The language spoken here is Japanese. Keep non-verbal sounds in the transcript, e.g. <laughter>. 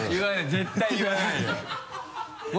絶対言わない <laughs>